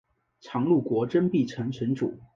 常陆国真壁城城主。